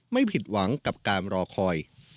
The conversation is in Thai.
ไม่ผิดหวังกับการรอคอย